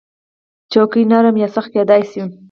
چوکۍ نرم یا سخت کېدای شي.